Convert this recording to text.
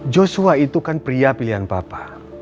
joshua itu kan pria pilihan bapak